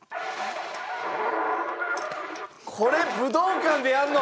これ武道館でやるの！？